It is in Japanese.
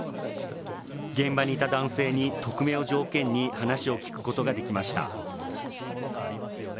現場にいた男性に、匿名を条件に話を聞くことができました。